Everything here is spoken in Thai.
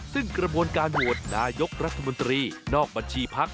ซึ่งกระบวนการโหวตนายกรัฐมนตรีนอกบัญชีพัก